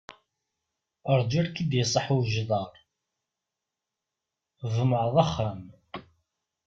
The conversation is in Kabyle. Ṛǧu ar k-id-iṣaḥ ujdaṛ, tḍemɛeḍ axxam!